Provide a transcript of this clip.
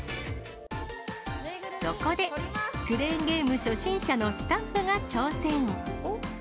そこで、クレーンゲーム初心者のスタッフが挑戦。